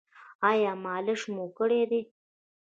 ایا مالش مو کړی دی؟